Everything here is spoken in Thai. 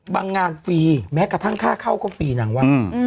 งานฟรีแม้กระทั่งค่าเข้าก็ฟรีนางว่า